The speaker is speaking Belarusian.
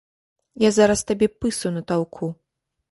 Я зараз табе пысу натаўку!